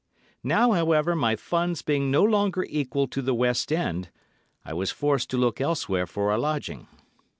Now, however, my funds being no longer equal to the West End, I was forced to look elsewhere for a lodging.